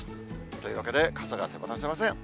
というわけで、傘が手放せません。